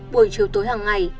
buổi chiều tối hàng ngày